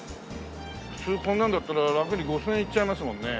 普通こんなんだったらラクに５０００円いっちゃいますもんね。